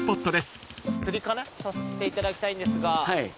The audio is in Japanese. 釣りさせていただきたいんですが。